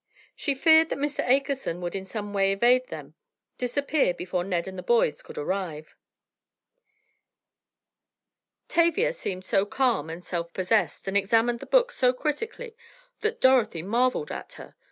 She feared that Mr. Akerson would in some way evade them, disappear before Ned and the boys could arrive! Tavia seemed so calm and self possessed and examined the books so critically that Dorothy marveled at her!